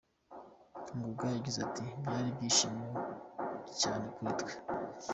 Ngoga yagize ati “Byari ibyishimo cyane kuri twe.